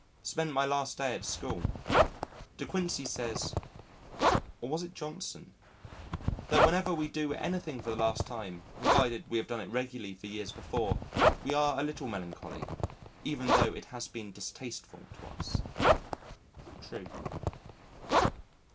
Spent my last day at school. De Quincey says (or was it Johnson?) that whenever we do anything for the last time, provided we have done it regularly for years before, we are a little melancholy, even though it has been distasteful to us.... True.